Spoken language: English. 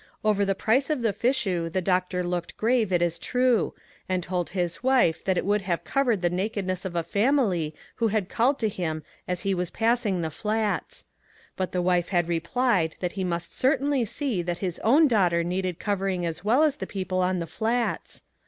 Over the price of the fichu the dpctor looked grave, it is true, and told his wife that it would have covered the nakedness of a family who had called to him as he was passing the Flats ; but the wife had replied that he must certainly see that his own daughter needed covering as well as ENGAGEMENTS. 253 fhe people on the Flats.